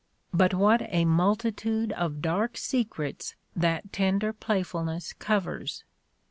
But what a multitude of dark secrets that tender playfulness covers!